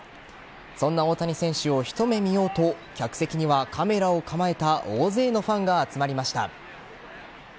そんな大谷選手を一目見ようと客席にはカメラを構えた大勢のファンが集まりました。